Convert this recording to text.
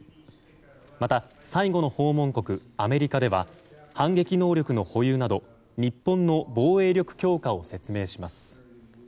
また最後の訪問国アメリカでは反撃能力の保有など日本の防衛力強化を説明します。